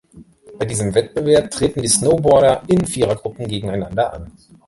Bei diesem Wettbewerb treten die Snowboarder in Vierergruppen gegeneinander an.